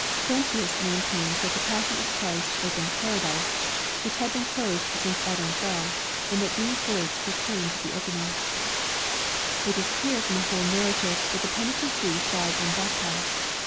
Brentius maintains that the passion of Christ opened Paradise^ which had been closed since Adam fell, and that these words pro claimed the opening It is clear from the whole narrative that the penitent thief died unbaptized.